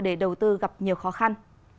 để đầu tư gặp nhiều khó khăn